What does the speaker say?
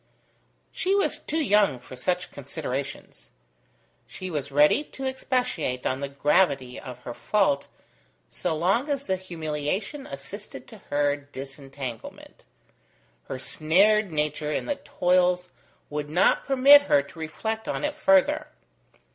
She was too young for such considerations. She was ready to expatiate on the gravity of her fault, so long as the humiliation assisted to her disentanglement: her snared nature in the toils would not permit her to reflect on it further.